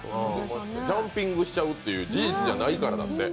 ジャンピングしちゃうって、事実じゃないからだって。